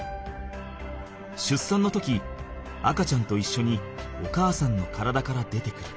しゅっさんの時赤ちゃんといっしょにお母さんの体から出てくる。